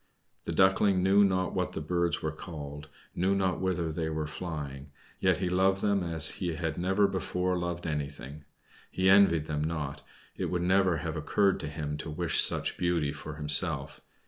The Duckling knew not what the birds were called, knew not whither they were flying; yet he loved them as he had never before loved anything. He envied them not; it would never have occurred to him to wish such beauty for himself.